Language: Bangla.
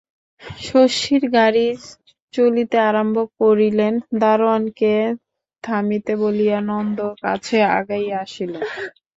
শশীর গাড়ি চলিতে আরম্ভ করিলে, গাড়োয়ানকে থামিতে বলিয়া নন্দ কাছে আগাইয়া আসিল।